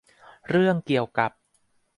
เรื่องเกี่ยวกับ